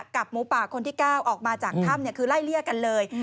หมูป่าคนที่๙ออกมาจากถ้ำคือไล่เลี่ยกันเลย